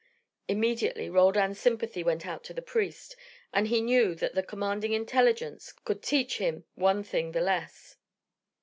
Immediately Roldan's sympathy went out to the priest; and he knew that that commanding intelligence could teach him one thing the less.